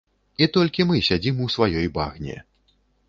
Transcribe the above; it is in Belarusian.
І толькі мы сядзім у сваёй багне.